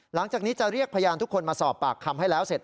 หลังจากนี้จะเรียกพยานทุกคนมาสอบปากคำให้แล้วเสร็จ